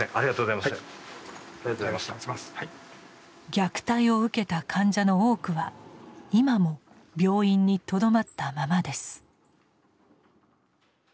虐待を受けた患者の多くは今も病院にとどまったままです。